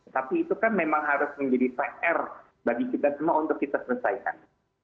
tapi itu kan memang harus menjadi pr bagi kita semua untuk kita selesaikan